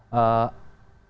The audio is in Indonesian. ya di intimidasi